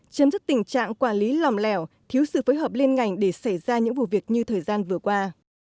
chấm dứt tình trạng quản lý lòng lẻo thiếu sự phối hợp liên ngành để xảy ra những vụ việc như thời gian vừa qua